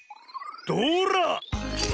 どら！